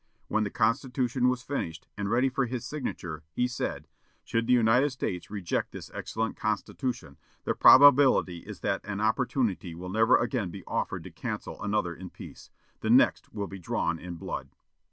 When the Constitution was finished, and ready for his signature, he said: "Should the United States reject this excellent Constitution, the probability is that an opportunity will never again be offered to cancel another in peace; the next will be drawn in blood."